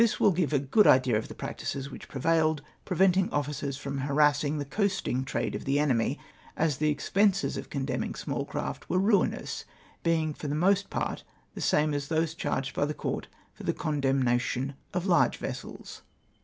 1G7 will give a good idea of tlie practices which prevailed ; preventing officers from harassing the coasting trade of the enemy, as the expenses of condemning small craft were rninoiis, being for the most part the same as those charged by the Comt for the condemnation of large vessels.